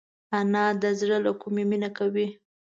انا د زړه له کومي مینه کوي